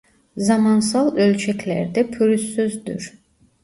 Zamansal ölçeklerde pürüzsüzdür.